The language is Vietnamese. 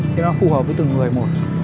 thì nó phù hợp với từng người một